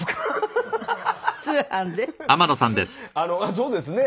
そうですね。